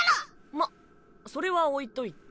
まっそれは置いといて。